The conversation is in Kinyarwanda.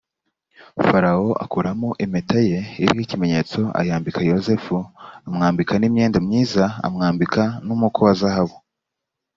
farawo akuramo impeta ye iriho ikimenyetso ayambikayozefu amwambika n’imyenda myiza amwambika n’umuku wa zahabu